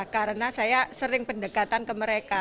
karena saya sering pendekatan ke mereka